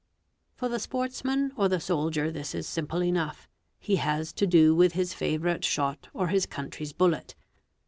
For the sportsman or the soldier this is simple enough, he has to do with his favourite shot or his country's bullet.